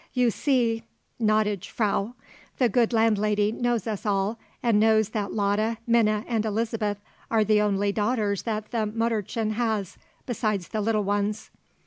See you, gnädige Frau, the good landlady knows us all and knows that Lotta, Minna and Elizabeth are the only daughters that the Mütterchen has besides the little ones.